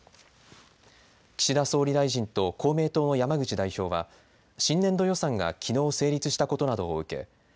岸田総理大臣と公明党の山口代表は新年度予算がきのう成立したことなどを受け